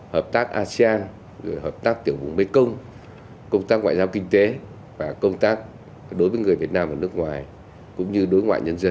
hợp tác asean hợp tác tiểu vùng mekong công tác ngoại giao kinh tế và công tác đối với người việt nam ở nước ngoài cũng như đối ngoại nhân dân